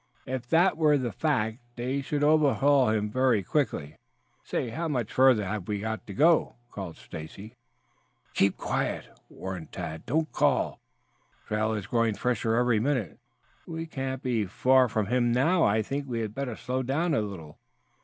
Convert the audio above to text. If that were the fact they should overhaul him very quickly. "Say, how much farther have we got to go?" finally called Stacy. "Keep quiet," warned Tad. "Don't call. The trail is growing fresher every minute. We cannot be far from him now. I think we had better slow down a little.